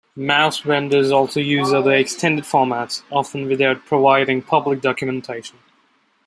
Mouse vendors also use other extended formats, often without providing public documentation.